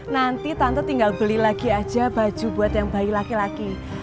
nanti tante tinggal beli lagi aja baju buat yang bayi laki laki